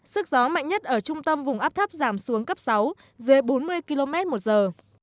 sức gió mạnh nhất ở trung tâm vùng áp thấp giảm xuống cấp sáu dưới bốn mươi km một giờ